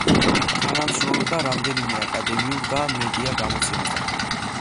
თანამშრომლობდა რამდენიმე აკადემიურ და მედია გამოცემასთან.